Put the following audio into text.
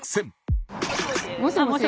もしもし。